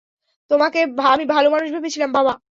তোমাকে আমি ভালো মানুষ ভেবেছিলাম, বাবা।